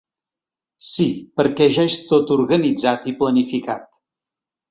Sí, perquè ja és tot organitzat i planificat.